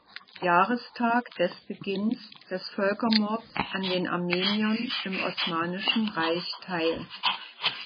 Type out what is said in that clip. Jahrestag des Beginns des Völkermords an den Armeniern im Osmanischen Reich teil.